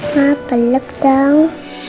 papa luk dong